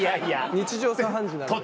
日常茶飯事なんで。